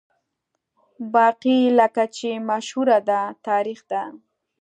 باقي لکه چې مشهوره ده، تاریخ دی.